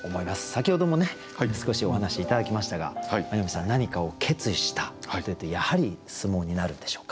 先ほどもね少しお話し頂きましたが舞の海さん何かを決意したというとやはり相撲になるんでしょうか？